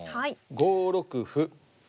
５六歩。